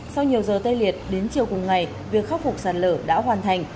sau nhiều giờ tê liệt đến chiều cùng ngày việc khắc phục sạt lở đã hoàn thành